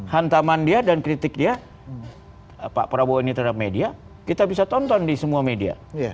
hantaman dia dan kritik dia pak prabowo ini terhadap media kita bisa tonton di semua media